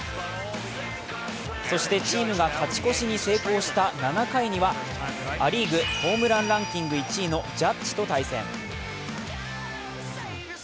そしてチームが勝ち越しに成功した７回にはア・リーグホームランランキング１位のジャッジと対戦。